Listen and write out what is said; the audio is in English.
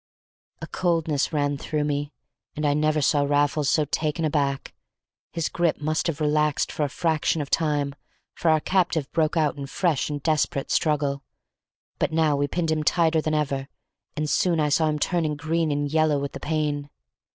A coldness ran through me, and I never saw Raffles so taken aback. His grip must have relaxed for a fraction of time, for our captive broke out in a fresh and desperate struggle, but now we pinned him tighter than ever, and soon I saw him turning green and yellow with the pain.